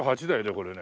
これね？